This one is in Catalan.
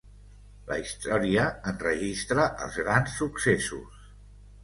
La història enregistra els grans successos.